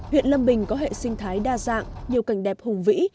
huyện lâm bình có hệ sinh thái đa dạng nhiều cảnh đẹp hùng vĩ